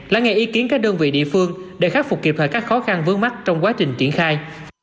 lắng nghe ý kiến các đơn vị địa phương để khắc phục kịp thời các khó khăn vướng mắt trong quá trình triển khai